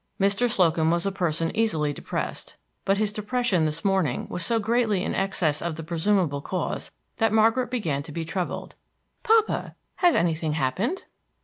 Mr. Slocum was a person easily depressed, but his depression this morning was so greatly in excess of the presumable cause that Margaret began to be troubled. "Papa, has anything happened?"